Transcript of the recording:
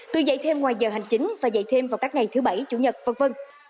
tư dạy thêm ngoài giờ hành chính và dạy thêm vào các ngày thứ bảy chủ nhật v v